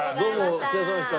お世話さまでした。